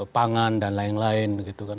pangan dan lain lain